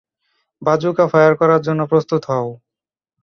বাজুকা fire করার জন্য প্রস্তুত হও!